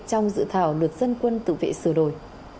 trong dự thảo luật dân quân tự vệ sửa đổi